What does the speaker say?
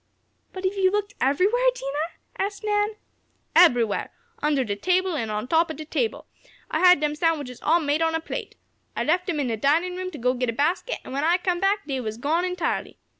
"But have you looked everywhere, Dinah?" asked Nan. "Eberywhere! Under de table an' on top ob de table. I had dem sandwiches all made an' on a plate. I left dem in de dinin' room to go git a basket, an' when I come back, dey was gone entirely.